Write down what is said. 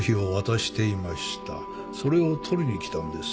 それを取りに来たんです。